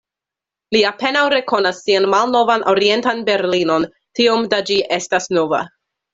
Li apenaŭ rekonas sian malnovan Orientan Berlinon, tiom da ĝi estas nova.